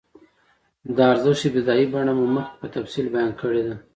د ارزښت ابتدايي بڼه مو مخکې په تفصیل بیان کړې ده